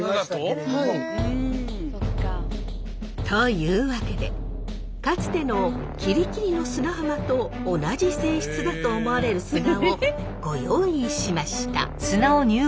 というわけでかつての吉里吉里の砂浜と同じ性質だと思われる砂をご用意しました！